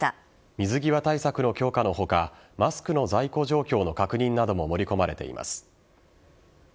水際対策の強化の他マスクの在庫状況の確認なども盛り込まれています。